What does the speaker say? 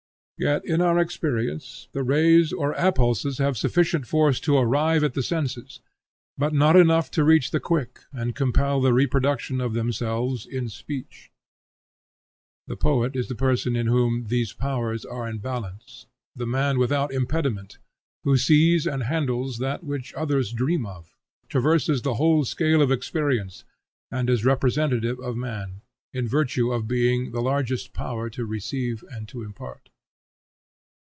Yet, in our experience, the rays or appulses have sufficient force to arrive at the senses, but not enough to reach the quick and compel the reproduction of themselves in speech. The poet is the person in whom these powers are in balance, the man without impediment, who sees and handles that which others dream of, traverses the whole scale of experience, and is representative of man, in virtue of being the largest power to receive and to impart.